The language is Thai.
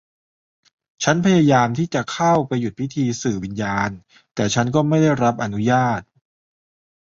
ฉันพยายามที่จะเข้าไปหยุดพิธีสื่อวิญญาณ แต่ฉันก็ไม่ได้รับอนุญาต